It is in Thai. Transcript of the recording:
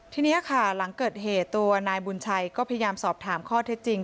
ทีนี้ค่ะหลังเกิดเหตุตัวนายบุญชัยก็พยายามสอบถามข้อเท็จจริง